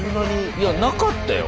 いやなかったよ。